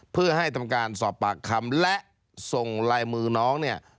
เพื่อให้ทำการสอบปากคำและส่งลายมือน้องเนี่ย